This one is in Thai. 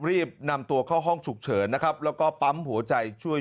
รีบนำตัวเข้าห้องฉุกเฉินนะครับแล้วก็ปั๊มหัวใจช่วย